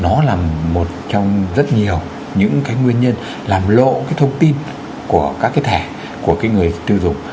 nó là một trong rất nhiều những cái nguyên nhân làm lộ cái thông tin của các cái thẻ của cái người sử dụng